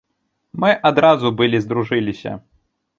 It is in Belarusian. Мы адразу былі здружыліся.